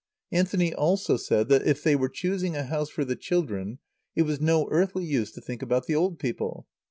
Anthony also said that if they were choosing a house for the children, it was no earthly use to think about the old people.